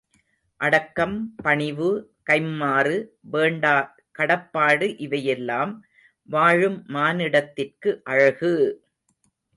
அடக்கம், பணிவு, கைம்மாறு வேண்டா கடப்பாடு இவையெல்லாம் வாழும் மானிடத்திற்கு அழகு!